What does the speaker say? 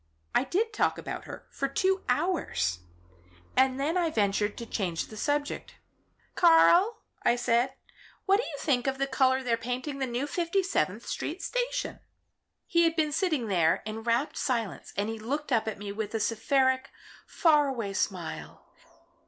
I did talk about her for two hours, and then I ventured to change the subject. 'Karl,' I said, 'what do you think of the colour they're painting the new Fifty seventh Street station?' "He had been sitting there in rapt silence and he looked up at me with a seraphic, far away smile.